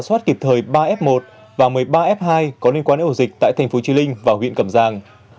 rà soát kịp thời ba f một và một mươi ba f hai có liên quan đến ổ dịch tại tp hcm vào huyện cầm giang